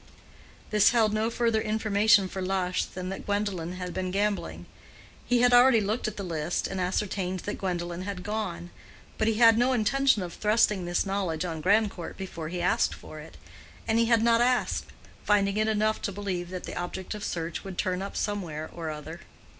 This held no further information for Lush than that Gwendolen had been gambling. He had already looked at the list, and ascertained that Gwendolen had gone, but he had no intention of thrusting this knowledge on Grandcourt before he asked for it; and he had not asked, finding it enough to believe that the object of search would turn up somewhere or other.